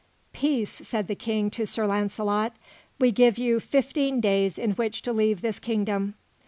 "Peace," said the King to Sir Launcelot: "We give you fifteen days in which to leave this kingdom."